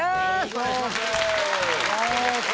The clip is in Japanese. お願いします